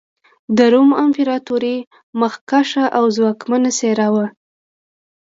د روم امپراتورۍ مخکښه او ځواکمنه څېره وه.